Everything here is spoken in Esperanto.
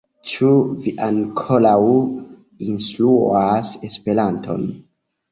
Ĉu vi ankoraŭ instruas Esperanton?